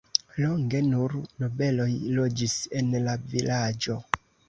Longe nur nobeloj loĝis en la vilaĝo.